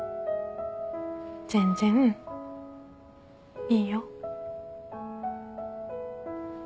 全然いいよ。